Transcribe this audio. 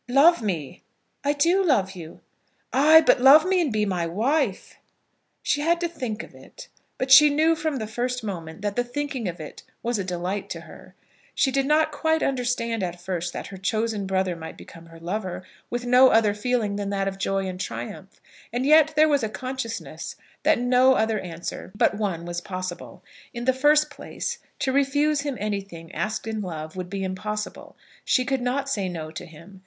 "Love me." "I do love you." "Ay, but love me and be my wife." She had to think of it; but she knew from the first moment that the thinking of it was a delight to her. She did not quite understand at first that her chosen brother might become her lover, with no other feeling than that of joy and triumph; and yet there was a consciousness that no other answer but one was possible. In the first place, to refuse him anything, asked in love, would be impossible. She could not say No to him.